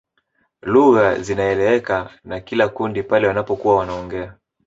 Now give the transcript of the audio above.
Lugha zinaeleweka na kila kundi pale wanapokuwa wanaongea